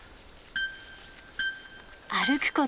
歩くこと